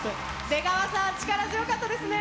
出川さん、力強かったですね。